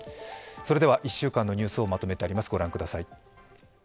それでは１週間のニュースをまとめてあります、御覧ください。